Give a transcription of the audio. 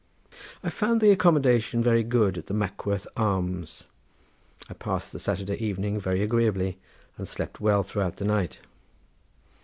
I found the accommodation very good at the "Mackworth Arms;" I passed the Saturday evening very agreeably, and slept well throughout the night.